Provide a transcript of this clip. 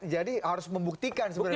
jadi harus membuktikan sebenarnya